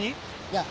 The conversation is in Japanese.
いや。